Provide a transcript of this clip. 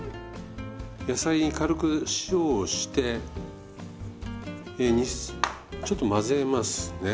野菜に軽く塩をしてちょっと混ぜますね。